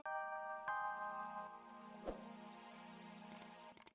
eh ra luki